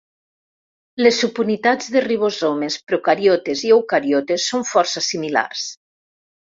Les subunitats de ribosomes procariotes i eucariotes són força similars.